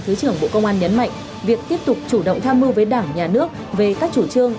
thứ trưởng bộ công an nhấn mạnh việc tiếp tục chủ động tham mưu với đảng nhà nước về các chủ trương